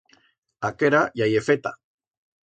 Aquera ya ye feta.